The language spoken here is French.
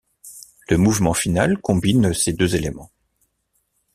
Le mouvement final combine ces deux éléments.